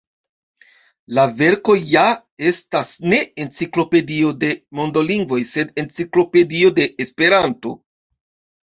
La verko ja estas ne enciklopedio de mondolingvoj, sed Enciklopedio de Esperanto.